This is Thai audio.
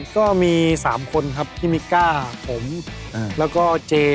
ก็มี๓คนครับพี่มิกก้าผมแล้วก็เจ